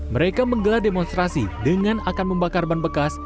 mereka menggelar demonstrasi dengan akan membakar ban bekas